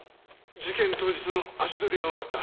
事件当日の足取りがわかった。